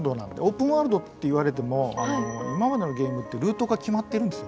オープンワールドっていわれても今までのゲームってルートが決まってるんですよ。